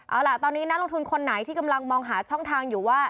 เอาล่ะตอนนี้นักลงทุนคนไหนที่กำลังมองหาช่องทางอยู่ว่า